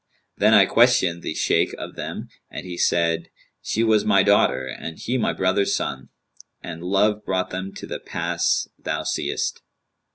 Then I questioned the Shaykh of them, and he said, 'She was my daughter and he my brother's son; and love brought them to the pass thou seest.'